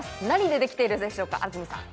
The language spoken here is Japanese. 何でできているでしょうか？